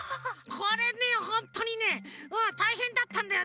これねホントにねたいへんだったんだよね。